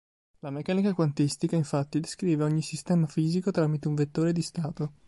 La meccanica quantistica, infatti, descrive ogni sistema fisico tramite un vettore di stato.